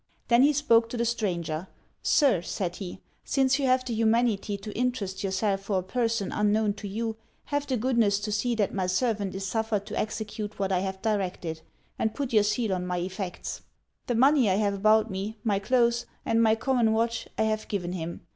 'Then he spoke to the stranger "Sir," said he, "since you have the humanity to interest yourself for a person unknown to you, have the goodness to see that my servant is suffered to execute what I have directed, and put your seal on my effects. The money I have about me, my cloaths, and my common watch, I have given him.